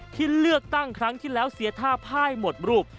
ที่เลือกตั้งครั้งที่แล้วเสียท่าพ่ายหมดรูป